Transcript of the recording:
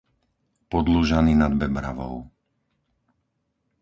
Podlužany nad Bebravou